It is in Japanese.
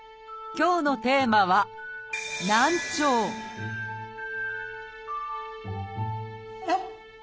今日のテーマは「難聴」えっ？